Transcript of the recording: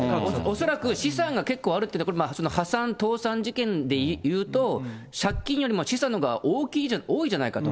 恐らく資産が結構あるというのは、これ破産、倒産事件で言うと、借金よりも資産のほうが多いじゃないかと。